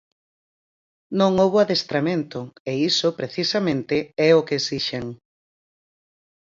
"Non houbo adestramento" e iso, precisamente, é o que esixen.